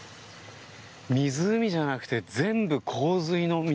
湖じゃなくて全部洪水の水。